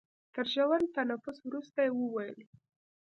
تر ژور تنفس وروسته يې وويل.